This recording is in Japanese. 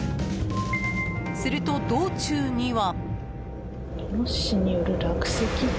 すると、道中には。